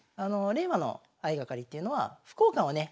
令和の相掛かりっていうのは歩交換をね